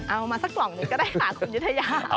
เอามาสักกล่องนึงก็ได้ค่ะคุณยุทยา